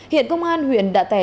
hiện công an huyện đạ tẻ